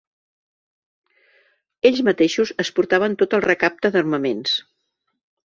Ells mateixos es portaven tot el recapte d'armaments.